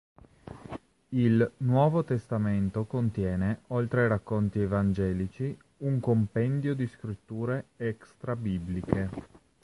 Il "Nuovo Testamento" contiene, oltre ai racconti evangelici, un compendio di scritture extra-bibliche.